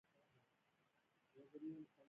هغوی د ژمنې په بڼه باد سره ښکاره هم کړه.